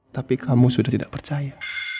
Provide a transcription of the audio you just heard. tapi kamu sudah tidak percaya